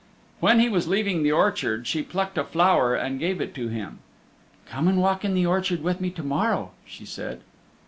When he was leaving the orchard she plucked a flower and gave it to him. "Come and walk in the orchard with me to morrow," she said.